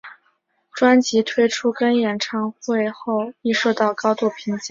因此专辑推出跟演唱会后亦受到高度评价。